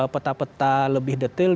peta peta lebih detail